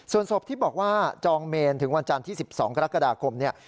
ส่วนศพที่บอกว่าจองเมนถึงวันจันทร์ที่๑๒กรกฎาคมเนี่ย